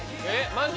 マジ？